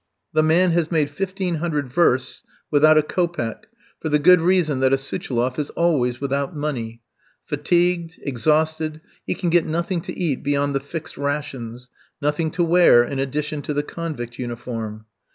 The man has made fifteen hundred versts [about one thousand miles] without a kopeck, for the good reason that a Suchiloff is always without money; fatigued, exhausted, he can get nothing to eat beyond the fixed rations, nothing to wear in addition to the convict uniform.